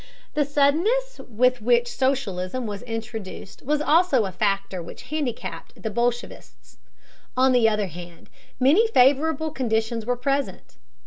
The suddenness with which socialism was introduced was also a factor which handicapped the bolshevists. On the other hand, many favorable conditions were present.